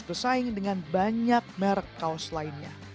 bersaing dengan banyak merek kaos lainnya